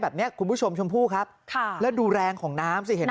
แบบนี้คุณผู้ชมชมพู่ครับค่ะแล้วดูแรงของน้ำสิเห็นไหม